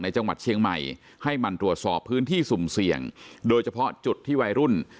จังหวัดเชียงใหม่ให้มันตรวจสอบพื้นที่สุ่มเสี่ยงโดยเฉพาะจุดที่วัยรุ่น